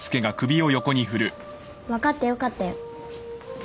分かってよかったよ。